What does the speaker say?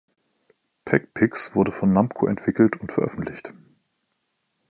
„Pac-Pix“ wurde von Namco entwickelt und veröffentlicht.